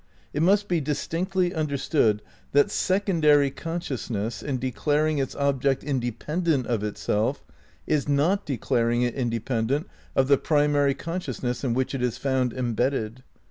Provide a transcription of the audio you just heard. It must be distinctly understood that secondary consciousness, in declaring its object independent of itself, is not declaring it independent of the primary consciousness in which it is found embedded.